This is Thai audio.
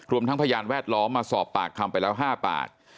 รวมทั้งพยานแวดล้อมมาสอบปากคำไปแล้ว๕ปาก